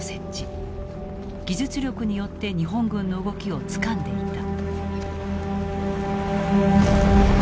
技術力によって日本軍の動きをつかんでいた。